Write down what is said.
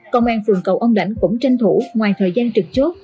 công an phường cầu ông đánh cũng tranh thủ ngoài thời gian trực chốt